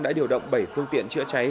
đã điều động bảy phương tiện chữa cháy